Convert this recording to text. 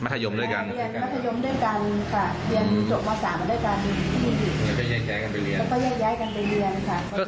เรียนมัธยมด้วยกันค่ะเรียนจบมอสามมาด้วยกันแล้วก็ย่ายยายกันไปเรียน